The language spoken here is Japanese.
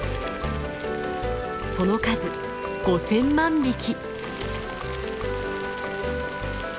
その数５，０００万匹。